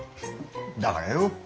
だからよ。